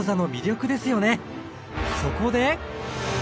そこで！